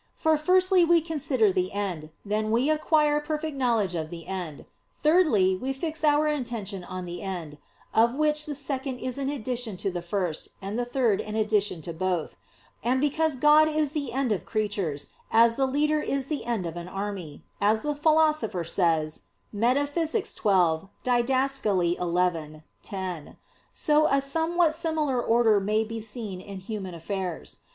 For firstly we consider the end; then we acquire perfect knowledge of the end; thirdly, we fix our intention on the end; of which the second is an addition to the first, and the third an addition to both. And because God is the end of creatures, as the leader is the end of an army, as the Philosopher says (Metaph. xii, Did. xi, 10); so a somewhat similar order may be seen in human affairs.